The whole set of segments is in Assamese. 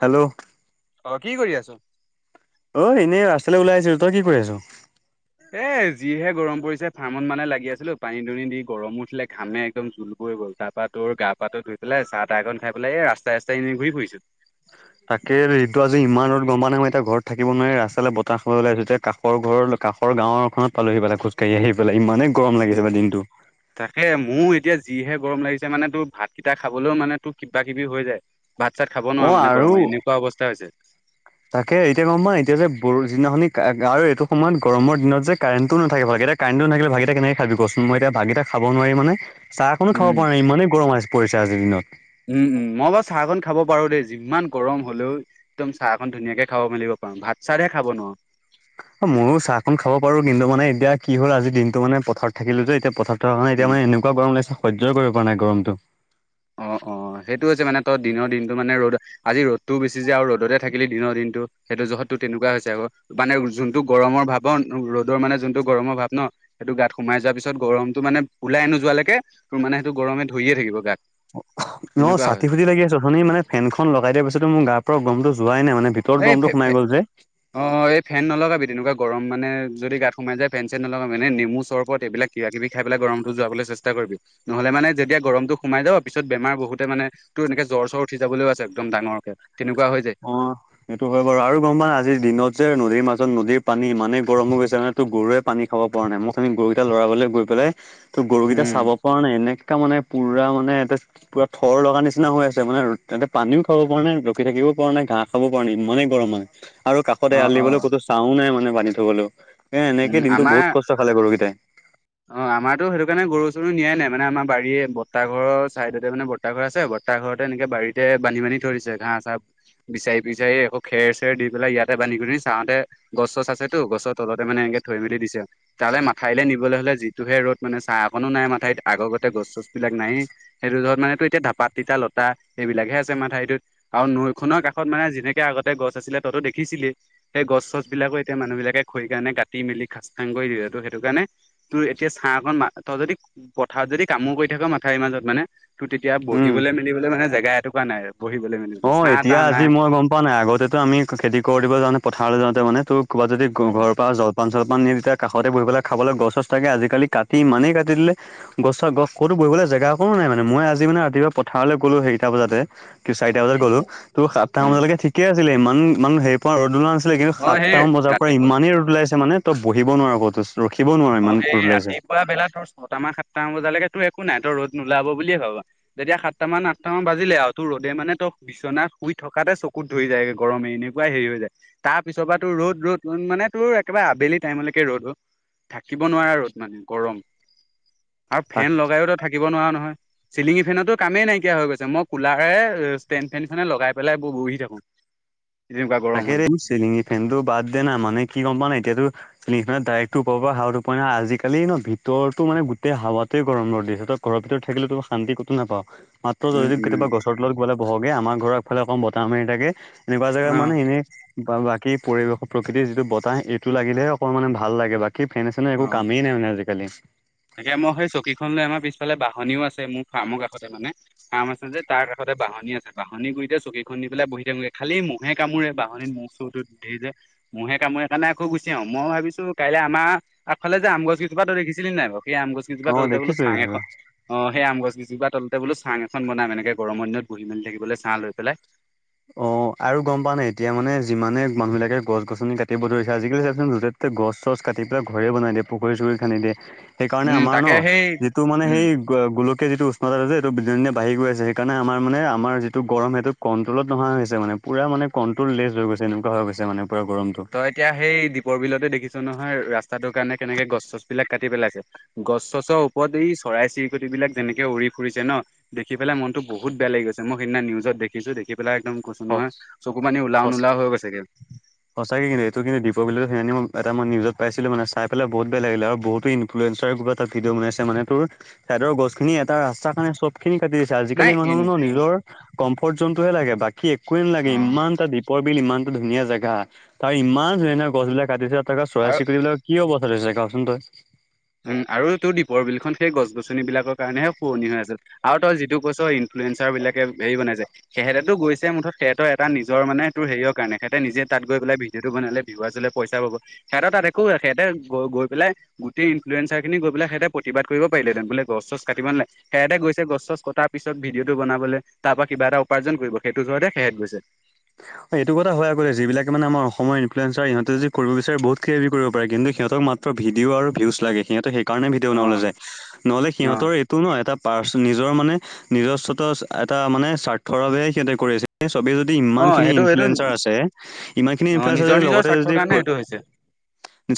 হেল্ল'? অ'! কি কৰি আছা? অ'! এনেই ৰাস্তালৈ ওলাই আহিছিলো। তই কি কৰি আছ এ, যিহে গৰম পৰিছে, ফাৰ্মত মানে, লাগি আছিলোঁ। পানী দুনি দি গৰম উঠিলে ঘামে একদম হৈ গ'ল। তাৰপৰা, তোৰ গা পাটো ধুই পেলাই চাহ তাহকন খাই পেলাই, এই ৰাস্তাই ৰাস্তাই এনে ঘূৰি ফুৰিছোঁ। [inaudible] তাকে, এইটো আজি ইমান ৰ'দ গম পোৱা নাই। এতিয়া ঘৰত থাকিব নোৱাৰি ৰাস্তালে বতাহ খাবলৈ ওলাই আহিছোঁ। এতিয়া কাষৰ ঘৰ কা কাখৰ গাঁৱৰখনত পালোহি মানে খোজকাঢ়ি আহি পেলাই। ইমানে তাকে, মোৰ এতিয়া যিহে গৰম লাগিছে। মানে, তোৰ ভাতকেইটা খাবলৈও মানে, তোৰ কিবা কিবি হৈ যায়। ভাত চাত খাব নোৱাৰা অ মানে আৰু গৰমত এনেকুৱা অৱস্থা হৈছে। তাকে এতিয়া গম ম এতিয়া যে গাঁও এইটো সময়ত গৰমৰ দিনত যে কাৰেণ্টটো নাথাকে কাৰেণ্টটো নথাকিলে ভাতকেই তা কেনেকৈ খাবি কচোন। মই এতিয়া ভাতকেইটা খাব নোৱাৰি মানে চাহ অকনো খাব উম পৰা নাই ইমানেই গৰম পৰিছে মানে আজি দিনত উম উম মই বাৰু চাহকন খাব পাৰো দেই যিমান গৰম হ'লেও একদম চাহকন ধুনীয়াকে খাব মেলিব ভাত চাতহে খাব নোৱাৰো ময়ো চাহকন খাব পাৰো কিন্তু মানে এতিয়া কি হল আজি দিনটো মানে পথাৰ থাকিলো যে এতিয়া পথাৰ থকাৰকৰণে এতিয়া উম মানে এনেকুৱ গৰম লাগিছে সহ্য় কৰিব পৰা নাই গৰমটো অ অ সেইটো হৈছে মানে তই দিনৰ দিনটো মানে ৰ'দ আজি ৰ'দটোও বেছি যে আৰু ৰ'দতে থাকিলি দিনৰ দিনটো কিন্তু সেইটো জহতটো তেনেকুৱা হৈছে আকৌ মানে যোনতটো গৰমৰ ভাৱ ৰ'দৰ মানে যোনতটো গৰমৰ ভাৱ ন সেইটো গাত সোমাই যোৱাৰ পিছত গৰমতটো মানে ওলাই নোযোৱালৈকে তোৰ মানে সেইটো গৰমে ধৰিয়ে থাকিব গাত অ তেনেকুৱা চাকি হয় ফুটি লাগি আছে মানে ফেনখন লগাই দিয়াৰ পিছতো মোৰ গাৰ পৰা গমতো যোৱাই নাই মানে ভিতৰত এই গৰমটো ফেন সোমাই ফেন গ'ল যে। অ এই ফেন নলগাবি তেনেকুৱা গৰম মানে যদি গাত সোমাই যায় ফেন চেন নলগা মানে নেম চৰ্বত এইবিলাক কিবা কিবি খাই পাই গৰম টো যোৱাবলে চেষ্টা কৰিবি নহলে মানে যেতিয়া গৰমতো হোমাই যাওঁ পিছত বেমাৰ বহুতে মানে ত এনেক জ্বৰ চৰ উঠ যাবলৈও আছে একদম ডাঙৰকে তেনেকুৱা হৈ যায় এই ইটো হয় বাৰু আৰু গম পা আজিৰ দিনত যে নদীৰ মাজত নদীৰ পানী ইমানেই গৰম হৈ গৈছে মানে তো গৰুৱে পানী খাব নাই মোক আমি গৰুকেইটা লৰাবলৈ গৈ পেলাই ত' গৰুকেইটা উম। চাব পৰা নাই এনেকে মানে পুৰা মানে ইতে পুৰা থৰ লগা নিচিনা হৈ আছে মানে তাতে পানীও খাব পৰা নাই ৰখি থাকিবও পৰা নাই ঘাঁহ খাব পৰা নাই ইমানেই গৰম হয় আৰু কাষতে অ', আলিবলৈ অ', ক'তো চাহও নাই মানে বান্ধ থবলৈ এ উম, এনেকেই দিনটো আমাৰ বহুত কষ্ট খালে গৰুকেইটাই। নিয় নাই মে আমাৰ বাৰীয়ে বতা ঘৰ চাইদতে মান বতা ঘৰ আছে বতাহ ঘৰতে এনেক বাৰীতে বান্ধিানি। ছে ঘাহ চাহ বোৰ। বিচাৰি বিচাৰি আকৌ খেৰ চেৰ দি পেলাই ইয়াতে বান্ধি গুধি চাওঁতে গছ চছ আছেতো, গছৰ তলত। মানে এনেকে থৈ মেলি দিছে। তালে মাথাইলে নিবলৈ হলে যিটোহে ৰ'দ মানে ছাঁ একনো নাই মাথাইত আগকতে। গছ চছ বিলাক নাই। সেইটো ধৰ মানেটো এতিয়া ধাপাত তিতা লতা এইবিলাকহে আছে আমাৰ মাথাইটোত। আৰু নৈ নৈৰ কাষত মানে যেনেকে আগতে গছ আছিলে তইটো দেখিছিলি। সেই গছ চছ বিলাকো এতিয়া মানুহ বিলাকে খৰী কাৰণে কাটি মেলি খাচতাঙ কৰি দিলে। ত, সেইটো কাৰণে তোৰ এতিয়া ছাঁ অকন তই যদি পথাৰত যদি কামো কৰি থাক মাথাউৰি মাজত মানে, ত তেতিয়া উম। বহিবলৈ মেলিবলৈ মানে জেগা এটুকা নাই আৰু। অ, এতিয়া আজি মই গম পোৱা নাই আগতেতো আমি খেতি কৰি দিব যাওঁতে নে পথাৰলৈ যাওঁতে মানে তো- ক'ৰবাত যদি ঘৰ পৰা জলপান চলপান পান নিদিছে, তেতিয়া কাষতে বহি পেলাই খাবলৈ গছ চছ থাকে। আজিকালি কাটি ইমানেই কাটি দিলে গছৰ গছ ক'তো বহিবলৈ জেগা অকনো নাই। মানে মই আজি মই ৰাতিপুৱা পথাৰলৈ গলো সেইটা বজাতে কি চাৰিটা বজাত গ'লো, তো সাতটা বজালৈকে ঠিকে আছিলে। ই মানে হেৰি পোৱা ৰ'দ ওলোৱা- কিন্তু অ সেই সাতটামান বজাৰ পৰা ইমানেই ৰ'দ ওলাইছে মানে তই বহিব নোৱাৰো ক'তো। ৰখিব নোৱাৰ অ ইমান সেই ৰ'দ ওলাইছে ৰাতিপুৱা বেলা তো ছটা মান সাতটামান বজালৈকে তো একো নাই, তই ৰ'দ নোলাব বুলিয়ে ভাবা। যেতিয়া সাতটা মান আঠটা মান বাজিলে আৰু তোৰ ৰ'দে মানে তোক বিচনা শুই থকাতে চকুত ধৰি যায়গে গৰমে। এনেকুৱাই হেৰি হৈ যায় তাৰ পিছৰ পৰা তোৰ ৰ'দ ৰ'দ মানে তোৰ আবেলি টাইমলৈকে ৰ'দো থাকিব নোৱাৰা ৰদ মানে গৰম। আৰু তাক ফেন লগাইওতো থাকিব নোৱাৰা নহয়। চিলিঙি ফেন তাকেৰে চিলিং ফেনটো বাদ দে না, মানে কি গম পা নাই এতিয়াতো চি নানে ডাইৰেক্টো ওপৰ পৰা হাৱাতো পৰে নাই, আজিকালি ন ভিতৰত মানে গোটেই হাৱাটোৱে গৰম দিছে। তই ঘৰভিতৰত থাকিলে তো শান্তি কতো নাপাওঁ। মাত্ৰ উম যদি উম কেতিয়াবা গছৰ তলত কেতিয়াবা বহগে আমাৰ ঘৰৰ আগফালে অকমান বতাহ মাৰি থাকে এনে অ মানে এনে বা বাকী পৰিবেশৰ প্ৰকৃতিৰ যিটো বতাহ, এইটো লাগিলেহে সেই ফেন চেনৰ অ একো কামেই নাই মানে আজিকালি। তাকে মই সেই চকীখন লৈ আমাৰ পিছফালে বাহনীও আছে, মোৰ ফাৰ্মৰ কাষতে মানে ফাৰ্ম আছে যে তাৰ কাষতে বাঁহনি আছে। বাঁহনি গোৰিতে চকীখন দি পেলাই বহি থাকোগে। খালি মহে কামুৰে বাঁহনিত মহ চুৰ বোৰ ধেৰ যে। মহে কামুৰে কাৰণে আকৌ গুচি সেই আম গছ কেইজোপা অ তলতে বোলো দেখিছো চাং এইটো। এখন অ সেই আম গছ কেইজোপা তল বলো চাং এখন বনাম এনেকে গৰমৰ দিনত বহি মেলি থাকিবলৈ ছাঁ লৈ পেলাই। অ। অ, আৰু গম পাৱ নাই, এতিয়া মানে যিমান মানুহবিলাকে গছ-গছনি কাটিব ধৰিছে আজিকালি চাবিচোন য'তে ততে গছ-চছ কাটি পেলাই ঘৰে বনাই দিয়ে। পুখুৰী- চুখুৰী খানি দিয়ে। সেইকাৰণে উম আমাৰ ন, তাকে সেই যিটো মানে উম সেই গোলকীয়া যিটো উষ্ণতাছে এইটো দিনে দিনে বাঢ়ি গৈ আছে। সেইকাৰণে আমাৰ মানে আমাৰ যিটো গৰম সেইটো ক লত নহোৱা হৈছে মানে পূৰা মানে কণ্ট্ৰল লেজ হৈ গৈছে এনেকুৱা হৈছে মানে পুৰা গৰমটো তই এতিয়া সেই দ্বীপৰ বিলতে দেখিছ। নহয় ৰাস্তাটোৰ কাৰণে কেনেকে গছ-চছ বিলাক কাটি পেলাইছে। গছ-চচৰ ওপৰত এই চৰাই- চিৰিকটি বিলাক যেনেকে উৰি ফুৰিছে ন দেখি পেলাই মনত বহুত বেয়া লাগিছে। মই সেইদিনা নিউজত দেখিছো। দেখি বিলাক একদম কৈছো সচ নহয় চকু পানী ওলাও- সচ নোলাও হৈ গৈছেগে। কিন্ত দ্বীপৰ বিলত সেই এটা মই নিউজত পাইছিলো মানে চাই পেলে বহুত বেয়া লাগিল আৰু বহুত ইনফ্ৱেঞ্চাৰ এটা ভিডঅ বনাইছে মানে তোৰ চাইদৰ গছখিনি এটা ৰাস্তাৰ কাৰণে চব খিনি কাটি দিছে। নাই আজিকালি এ- মানুহনৰ নিজৰ কম্ফৰ্ট জোনটোহে লাগে বাকী একোৱে নালাগে। অ ইমান এটা দ্বীপৰ বিল ইমান এটা ধুনীয়া জেগা। তাৰ ইমান ধুনিয়া ধুনিয়া গছ বিলাক কাটিছে ত চৰাই আৰু চিৰিকতি বিলাক কি অৱস্থা হৈছে কচোন তই। উম আৰু তোৰ দ্বীপৰ বিলখন সেই গছ গছন বিলাকৰ কাৰণেহে শুৱনি হৈ আছিল আৰু তই যিটো কৈছ। ৱেঞ্চাৰ বিলাকে হেৰি বনাইছে সেহতেতো গৈছে মুঠতে সেহতৰ এটা নিজৰ মানে তোৰ হেৰিৰ কাৰণে সহেতে নিজে ত তাত গৈ পেলাই ভিডিঅ'টো বনালে ভিৱাছ হলে পইচা পাব সিহঁত তাত একো সিহঁতে গৈ পেলাই সেই ইনফ্লুৱেঞ্চাৰ খিনি গৈ পেলাই হেতে প্ৰতিবাদ কৰিব পাৰিলে হেতেন বোলে গছ চছ কাটিব নালাগে সিহঁতে গৈছে গছ চছ কটাৰ পিছত ভিডিঅ' টো বনাবলৈ তাৰ পৰা কিবা এটা উপাৰ্জন কৰিব সেইটো জহতে সেহেত গৈছে অ [inaudible] এইটো কথা হয় আগ যিবিলাকে মানে আমাৰ অসমৰ ইনফ্লুৱেঞ্জাৰ ইহঁতে যদি কৰিব বিচাৰে বহুত হেৰি কৰিব পাৰে কিন্তু সিহঁতক মাত ভিডিঅ আৰু ভিউছ লাগে সিহঁতে সেই কাৰণে ভিডিঅ' বনাবলে অ', যায় নহলে অ', সিহঁতৰ এটো নো এটা পাৰ্চ নিজৰ মানে নিজস্বত এটা মানে স্বাৰ্থৰ বাবে সিহঁতে কৰি আছে সেই চবেই যদি ইমান অ', খিনি সেইটো সেইটো ইনফ্লেঞ্চাৰ আছে ইমান খিনি অ' নিজৰ ইনফ্লেঞ্চাৰ নিজৰ লগতে স্বাৰ্থৰ যদি কাৰণে সেইটো হৈছে।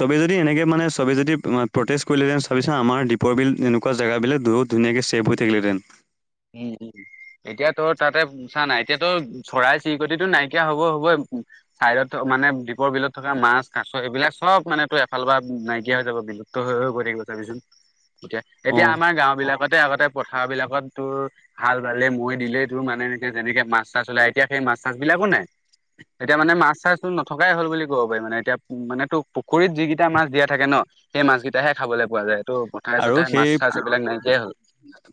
চবে যদি এনেকে মানে চবে যদি কৰিলেঁতেন চাবিচোন আমাৰ দীপৰ বিল এনেকুৱা জেগাব বিলাক বহুত ধুনীয়াকে ছেভ হৈ থাকিলহঁতেন। উম, উম এতিয়া তোৰ তাতেছা নাই এতিয়া তো চৰাই চিৰিকটিটো নাইকিয়া হব হ'বই। চাইডত থ মানে দ্বীপৰ বিলত থকা মাছ, কাছ এইবিলাক চব মানে তো এফালৰ পৰা নাইকিয়া হৈ যাব। বিলুপ্ত হৈ হৈ গৈ থাকিব চাবিচোন। এতিয়া এতিয়া অ'। আমাৰ গাঁও বিলাকতে আগতে পথাৰ বিলাকত তোৰ হাল বালে মই দিলেই তোৰ মানে এনেকে যেনেকে মাছ-চাছ ওলাই এতিয়া সেই মাছ-চাছ বিলাকো নাই। এতিয়া মানে মাছ- চাছো নথকাই হ'ল বুলি ক'ব পাৰি মানে এতিয়া উ মানে তোক পুখুৰীত যিকেইটা মাছ দিয়া থাকে ন। সেই মাছ কেইটাহে খাবলৈ পোৱা যায়। ত' পথাৰে আৰু চথাৰে সেই মাছ চাছ এইবিলাক নাইকিয়াই হ'ল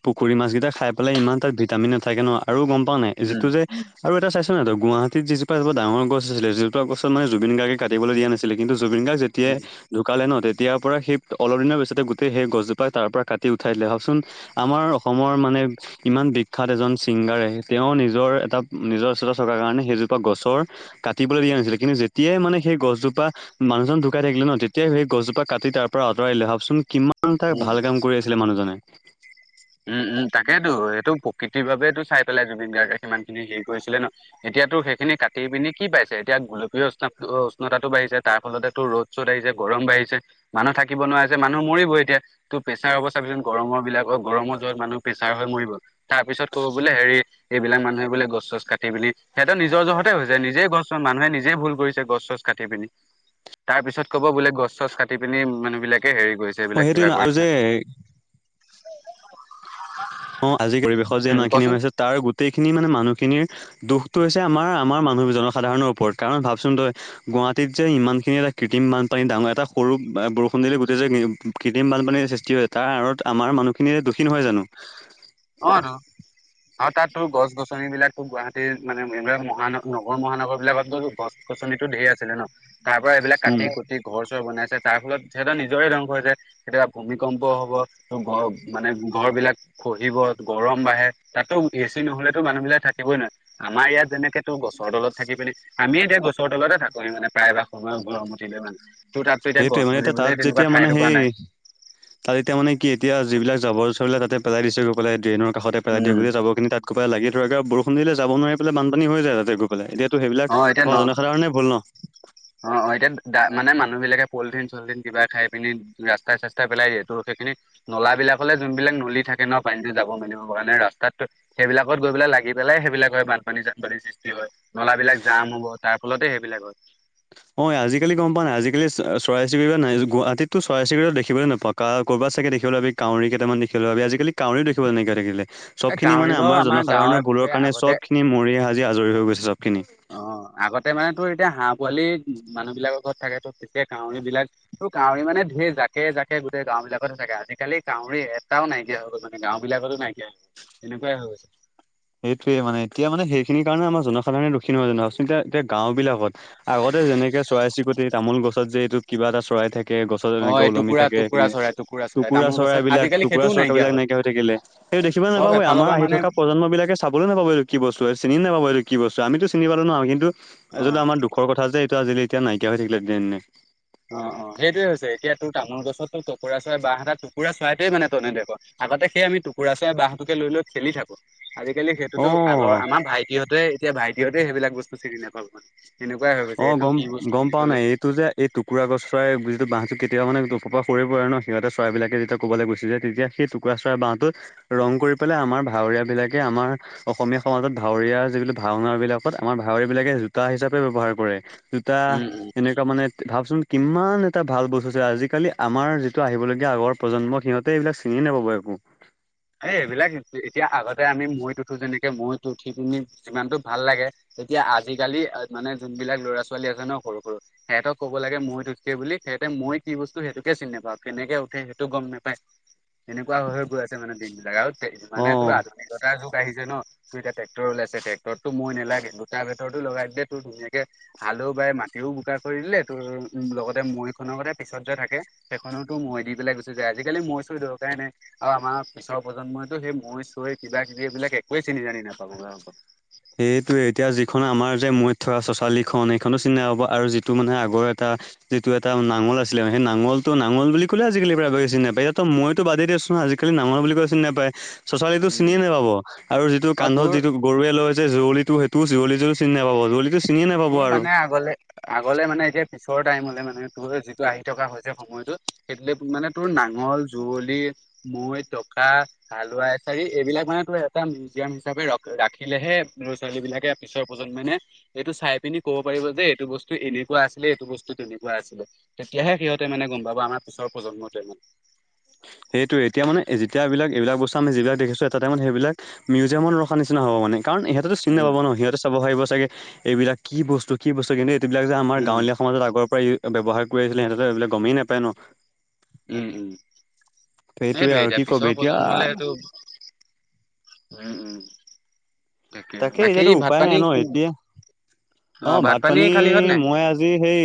পুখুৰী মাছকেইটা খাই। বলে ইমান তাত ভিটামিন নাথাকে ন। আৰু গম পাও নাই উম যিটো যে আৰু এটা চাইছ নহ গুৱাহাটীত যি এটা ডাঙৰ গছ আছিল যে গছ মানে জুবিন গাৰ্গ কাটিবলৈ দিয়া নাছিলে কিন্তু। জুবিন গাৰ্গ যেতিয়াই উম ঢুকালে ন তেতিয়াৰ পৰা সেই অলপ দিনৰ পিছতে সেই গছজোপাই তাৰ পৰা কাটি উঠাই দিলে। ভাবকচোন আমাৰ অসমৰ মানে ইমান বিখ্যাত এজন তেওঁ নিজৰ এটা নিজৰচত চকাৰ কাৰণে সেইজোপা গছৰ কাটিবলৈ দিয়া নাছিলে। কিন্তু, তেতিয়াই মানে সেই গছজোপা মানুহজন ঢুকাই থাকিলে ন তেতিয়াই সেই গছজোপা কাটি তাৰ পৰা আঁতৰাই দিলে ভাবচোন কিমান ই তাক উম ভাল কাম কৰি আছিলে মানুহজনে উম উম তাকেইতো এইটো কৃতিৰ বাবেটো চাই পেলাই জুবিন গাৰ্গে সিমান খিনি হেৰি কৰিছিলে ন এতিয়াতো সেইখিনি কাটি পিনি কি পাইছে এতিয়া গোলপীয় উষ্ণত উষ্ণতাতো বাঢ়িছে তাৰ ফলতেটো ৰ'দ চদ আহিছে গৰম বাঢ়িছে মানুহ থাকিব নোৱাৰা হৈছে। মানুহ মৰিব এতিয়া তো প্ৰেছাৰ অৱস্থাৰ গৰমৰ বিলাকক পেচাৰ হৈ মৰিব তাৰ পিছত কব বোলে হেৰি এইবিলাক মানুহে বোলে গছ চছ কাটি পিনি সিহঁতৰ নিজৰ জহতে হৈছে। নিজেই কচোন মানুহে নিজেই ভুল কৰিছে গছ চছ কাটি পিনি। তাৰ পিছত কব বোলে গছ-চছ কাটি পিনি মানুহ বিলাক হেৰি কৰিছে অ', এইবিলাক সেইটোৱে কিবা ন আৰু যে কৰিছে। অ আজিৰ পৰিৱেশত যে উম ইমানখিনি হৈ কচোন আছে তাৰ গোটেইখিনি মানে মানুহখিনিৰ দুখ টো হৈছে আমাৰ আমাৰ মানুহ জনসাধাৰণৰ ওপৰত কাৰণ ভাবচোন তই গুৱাহাটীত যে ইমানখিনি এটা কৃত্ৰিমান পানী ডাঙৰ এটা সৰু বৰষুণ দিল গোটেই যে কৃত্ৰিম বানপানীৰ সৃষ্টি হয় তাৰ আঁৰত আমাৰ মানুহখিনিয়ে। কঠিন হয় জানো। অ আৰু তাতো গছ গছন বিলাকো গুৱাহাটীৰ মানে এইবিলাক মহান নগৰ মহানগৰ বিলাকত গছ গ আচল টো ধেৰ আছিলে ন তাৰ পৰা এইবিলাক উম। কাটি কুটি ঘৰ চৰ বনাই তাৰ ফলত সিহঁতৰ নিজৰে ধ্বংস হৈছে তেতিয়া ভূমিকম্প হব ত মানে ঘৰ বিলাক খ গৰম বাঢ়ে তাতো এ চি নহলেতো মানুহ বিলাক থাকিবই নোৱাৰে আমাৰ ইয়াত যেনেকে তো গছৰ তলত থাকি পিনে আমি এতিয়া গছৰ তলতে থাকোৱেই মানে প্ৰায় বাগ সময় গৰম উঠি লৈ মানে তোৰ তাততো এতিয়া সেইটোৱে গছ মানে এতিয়া বুলিবলে তাত তেনেকুৱা যেতিয়া ঠাই মানে টুকুৰা সেই নাই তাত এতিয়া মানে কি এতিয়া যিবিলাক জাবৰ জথৰবিলাক তাতে পেলাই দিছে গ' পাই ড্ৰেইনৰ কষতে পেলাই উম গোটেই জাবৰ খিনি তাত কৰবাই লাগে। ধ বৰষুণ দিলে যাব নোৱাৰি পেলাই বানপানী হৈ যায় তাতে গৈ পেলাই এতিয়াতো সেইবিলাক অ এতিয়া আমাৰ ন জনসাধাৰণে ভুল ন, অ অ এতিয়া দ মানে মানুহ বিলাকে পলিথিন চলিথিন কিবা খাই পিনি ৰাস্তাই চস্তাই পেলাই এই সেইখিনি নলাবিলাকলৈ যোনবিলাক নলী থাকে ন পানীতো যাব মেলিব কাৰণে ৰাস্তাতো সেইবিলাক গৈ পেলায় লাগি পেলাই সেইবিলাক হয় বানপানী বান পানীৰ সৃষ্টি হয় নলাবিলাক জাম হ'ব তাৰ ফলতে সেইবিলাক হয় হয় আজিকালি গম পোৱা নাই আজিকালি চৰাই চিৰিকটি বিলাক নাই গুৱাহাটতো চৰাই চিৰিকটি দেখিবলৈ নাপাওঁ কাৰ কৰবাত, চাগে দেখিবলে পাবি কাউৰী কেইটামান দেখিবলে পাবি আজিকালি কাউৰী দেখিবলৈ নাইকিয়া হৈ থাকিলে। এই চবখিনি মানে কাউৰী বাৰু আমাৰ গাঁৱে জনসাধাৰণৰ ভুলৰ ভূঞে কাৰণে আগতে চব খিনি মৰি সাজি আজৰি হৈ গৈছে চবখিনি অ আগতে মানে তোৰ এতিয়া হাঁহ পোৱালি মানুহ বিলাকৰ ঘৰত থাকে ত তেতিয়া কাউৰী বিলাক ত কাউৰী মানে ঢেৰ জাকে জাকে, গোটেই গাঁও বিলিলাকতে থাকে আজিকালি কাউৰী এটাও নাইকিয়া হৈ গল মানে গাঁও বিলাকতো নাইকিয়া হৈ গল তেনেকুৱাই হৈ গৈছে। সিনিণেমাৰ জনসাধাৰণে দক্ষখণ হোৱানা আ এতিয়া গাঁও বিলাকত। আগতে যেনেকে চৰাই চিকট এই তামোল গছত যে এইটো কিবা এটা চৰাই থাকে? গছত অ এনেকে এই ওলমি টুকুৰা থাকে টুকুৰা সেইখিনি চৰাই চৰাই টুকুৰা তামোল চৰা গছত এইবলাক আজিকালি টুকুৰা সেইটোও চৰাক নাইকিয়া বিলাক হ'ল এনেকে হৈ থাকিলে। সেই দেখিবলৈ চব নাপাবই এফালৰ আমাৰ পৰা আহি মানে থকা প্ৰজন্ম বিলাকে চাবলৈ ন। নাপাবো কি বস্তু এই চিনি নাপাবো কি বস্তু আমিতো চিনি পালো নম কিন্তু অ এজটো আমাৰ দুখৰ কথা য। ত আজিলি এতিয়া নাইকিয়া হৈ থাকিল এ দিনে দিনে। অ অ সেইটোয়ে হৈছে এতিয়া তোৰ তামোল গছত তোৰ টুকুৰা চাই বাঁহ এটা টুকুৰা চোৱাইটোৱে মানে তনে দেখ। আগতে সেই আমি টুকুৰা চৰা বাঁহটোকে লৈ লৈ খেলি থাকো। আজিকালি সেইটোতো আগৰ অ আমাৰ ভাইটিহঁতে এতিয়া ভাইটিহঁতে সেইবিলাক বস্তু চিনি নাপাওঁ মানে। এনেকুৱাই হৈ গৈছে অ এইটো গম কি বস্তু গম বুলি পোৱা ক'লে নাই এইটো যে এই টুকুৰা গছৰ চৰাই যিটো বহটো কেতিাবা মান প পৰা হৈ পৰি পৰে ন সিহঁ চৰাবলাকেতিয়া ক'বলৈ গৈছে যে টুকুৰা চৰাই বহ ৰং কৰি পেলাই আমাৰ ভাৱৰীয়া বিলাকে আমাৰ অসমীয়া সমাজত ভাৱৰীয়া যিল ভাওনা বিলাক। তাৰত আমাৰ ভাৱৰীয়া বিলাকে জোতা হিচাপে ব্যৱহাৰ কৰে জোতা উম উম এনেকুৱা মানে। ভাবচোন কিমান এটা ভাল বস্তু আছিল আজিকালি আমাৰ যিটো আহিবলগীয়া আগৰ প্ৰজন্মক সিহঁতে এইবিলাক চিঙ ননে বো এই এইবিলাক এতিয়া আগতে আমি মৈত উঠো যেনেকে মৈত উঠি পিনি যিমানতটো ভাল লাগে। তেতিয়া আজিকালি মানে যোন বিলাক ল'ৰা ছোৱালী আছে ন সৰু সৰু সিহঁতক ক'ব লাগে মই থুঠকে বুলি তেতে মই কি বস্তু সেইটোকে চিনি নাপা কেনেকে উঠে সেইটো গম নাপাই এনেকুৱ হৈ গৈ আছে। মানে দিন বিলাক আৰু মানে তো অ আধুনিকতাৰ যুগ আহিছে ন তোৰ এতি ট্ৰেক্টৰ লাইছে টৰটো ম নেলাগে দুোটা ভিতৰতো লগাই দিলে তোৰ ধুনীয়াকে হালও বায় ম। মতিও বোকাৰ কৰি দিলে তোৰ লগতে মৈ খনৰতে পিছত যে থাকে সেইখনো তো মৈ দি পেলাই গুচি যায়। আজিকালি মই ছো দৰ কাৰণে আৰু আমাৰ। পিছৰ প্ৰজন্মইতো সেই মই চৈ কিবা কিবি এইবিলাক একোৱে চিনি জানি নাপাবো গ এইখন আমাৰ যে মৰিত থকা চচালি খন এইখনো চিন্তা হ'ব আৰু যিটো মানে আগৰ এটা যিটো এটা নাঙৰ আছিলে সেই নালটোঙল বুলি কলে আজিকাল প্ৰায় বেছি নাপায় ইয়াত মইতো বাদে দিছোন আজিকালিাঙ বুলি নাপায় পাই চচালীটো চিনিয়ে নাপাব আৰু যিটো অ কান্ধত তোৰ যিটো গৰুৱে লৈ যে যুৱলি সেইটো যৱলিটো চি নাপাব যুলটো। মোৰ মানে আগলে আগলে মানে এতিয়া। ওচৰৰ টাইম মানে তোৰ যিটো আহি থকা হৈছে সময়তটো সেইটো মানে তোৰ নাঙল যুৱলি। মৈ টকা হালোৱা এছাৰি এইবিলাক মানে ত এটা মিউজিয়াম হিচাপে ৰাখিলেহে। ল'ৰা ছোৱালী বিলাকে পিছৰ প্ৰজন্মানে এইটো চাই। পিনি কব পাৰিব যে এইটো বস্তু এনেকুৱা আছিলে এইটো বস্তু তেনেকুৱা আছিলে তেতিাহে সিহঁতে মানে গম পাব আমাৰ। বছৰ প্ৰজন্মতে হওঁক। সেইটো এতিয়া মানে যেতিয়া এই বিলাক এইবিলাক বস্তু আমি যিবিলাক দেিছো এটা টাইমত সেইিলাক মিউজিয়ামত ৰখা নিচনা হ'ব মানে। কাৰণ ইহঁতেতো উম, নাপাব ন সিহঁতে চাব পাৰিব চাগে এইবিলাক কি বস্তু কি বস্তু কিন্তু সবিলাক যে আমাৰ উম। গাঁৱলীয়া সমাজত আগৰ পৰাই ব্যৱহাৰ কৰি আছিলে সিহঁতো এইবিলাক গমেই নাপায় ন। উম উম। সেইটোৱে সেইটো আৰু এতিয়া কি ক'বি পিছৰ এতিয়া প্ৰজন্ম হ'লে সেটো। উম উম। তাকে বাকী এইতিয়াতো ভাত উপায় পানী ন এতিয়া। অৱ অ' ভাত পানী খালিহঁত নাই? মই আজি সেই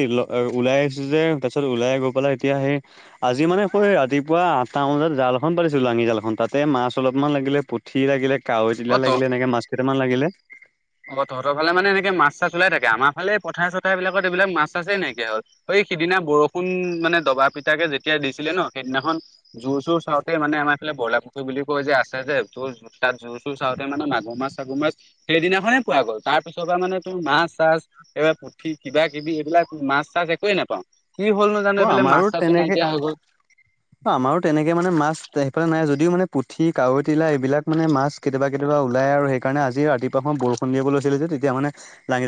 ওলাই আহিছো যে। তাৰপিছত ওলাই গৈ পালাই এতিয়া সেই আজি মানে [unintelligible] ৰাতিপুৱা আঠটা বজাত জাল এখন পাতিছিলো লাঙি জালখন পা। তাতে মাছ অলপমান লাগিলে পুঠি লাগিলে কাৱৈ চিলা অ' তই লাগিলে এনেকে মাছ কেইটামান লাগিলে। অ তহঁৰ ফোনে এনেকে মাছ চা ওলাই থাকে আমাৰাল পথাৰ চথাৰ বিলাকত এইবিলাক মাছ চাছে নাইকীয়া হ'ল। সিদিনা বৰষুণ মানে দবা পিটাকে যেতিয়া দিছিলে ন সেইদিনাখন জোৰ চোৰ চাওঁতে মানে আমাৰ। ফে বলা পুখুৰী বুলি কয় যে আছে যে তোৰ তাত জোৰ চোৰ চাওঁতে মানে মাগুৰ মাছ চাগুৰ মাছ সেইদিনা। নে পোৱা গ'ল তাৰ পিছৰ পৰা মানে তোৰ মাছ চাছ এইবাৰ পুঠি কিবা কিবি এইবিলাক মাছ চাছ একোৱে নাই। তাপা। অ আমাৰো তেনেকে অ আমাৰো তেনেকে মানে মাছ। নাই যদি মানে পুঠি কাৱৈতিলা এইিল মানে মাছ কেতিয়াবা কেতিয়াবা ওলায় সেইকাৰণে আজি ৰাতিপুৱা পা বৰষুণ। [unintelligible] লৈছিল তেতিয়া মানে ৰাঙি জাল।